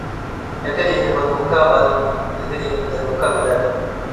እግል ኢልበሉከ በል ወእግል ኢልብደሩክ ብደር።